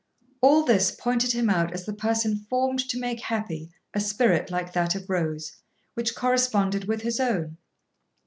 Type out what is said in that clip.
All this pointed him out as the person formed to make happy a spirit like that of Rose, which corresponded with his own.